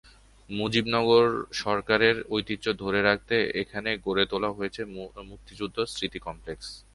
মুজিবনগর সরকারের ঐতিহ্য ধরে রাখতে এখানে গড়ে তোলা হয়েছে মুক্তিযুদ্ধ স্মৃতি কমপ্লেক্স।